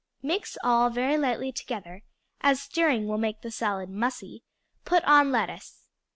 Mix all very lightly together, as stirring will make the salad mussy; put on lettuce.